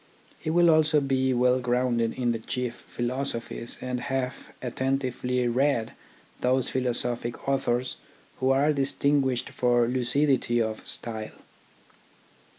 He will also be well grounded in the chief philoso phies, and have attentively read those philosophic authors who are distinguished for lucidity of style.